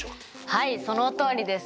はいそのとおりですね。